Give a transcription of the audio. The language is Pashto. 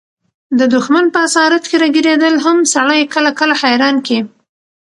د دښمن په اسارت کښي راګیرېدل هم سړى کله – کله حيران کي.